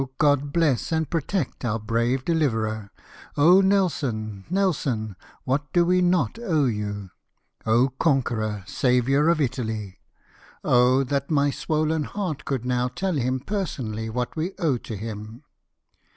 God, bless and protect our brave deliverer ! Nelson ! Nelson ! what do we not owe you ! conqueror — saviour of Italy ! Oh that my swollen heart could now tell him personally what we owe to him